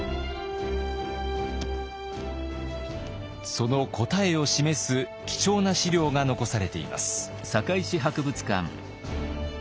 その答えを示す貴重な史料が残されています。